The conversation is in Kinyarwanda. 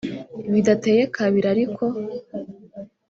Bidateye kabiri ariko